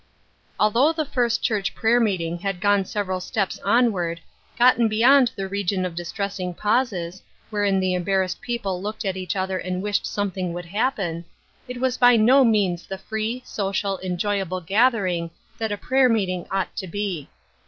LTHOl GH the First Church prayer "^^^ meeting had gone several steps onward, gotten beyond the region of distressing pauses, wherein the embarrassed people looked at each other and wished something would happen, it was by no means the free, social, enjoyable gath Bring that a prayer meeting ought to be.